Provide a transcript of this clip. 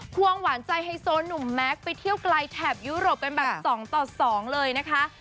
วงหวานใจไฮโซหนุ่มแม็กซ์ไปเที่ยวไกลแถบยุโรปกันแบบ๒ต่อ๒เลยนะคะ